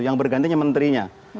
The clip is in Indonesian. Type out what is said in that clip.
yang bergantinya menterinya